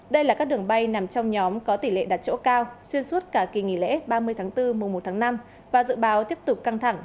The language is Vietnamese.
đây là các đường bay nằm trong nhóm có tỷ lệ đặt chỗ cao xuyên suốt cả kỷ nghỉ lễ ba mươi tháng năm